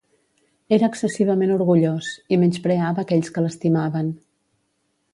Era excessivament orgullós, i menyspreava aquells que l'estimaven.